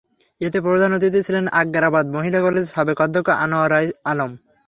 এতে প্রধান অতিথি ছিলেন আগ্রাবাদ মহিলা কলেজের সাবেক অধ্যক্ষ আনোয়ারা আলম।